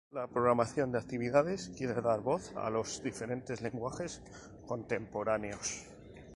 La programación de actividades quiere dar voz a los diferentes lenguajes contemporáneos.